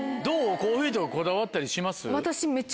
コーヒーとかこだわったりします？